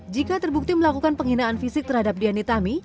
jika terbukti melakukan penghinaan fisik terhadap dianitami